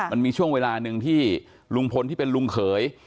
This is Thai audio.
มันมีช่วงเวลาหนึ่งที่ลุงพลที่เป็นลุงเขย